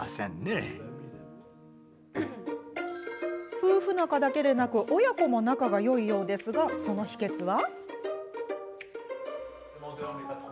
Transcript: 夫婦仲だけでなく親子も仲がよいようですがその秘けつは？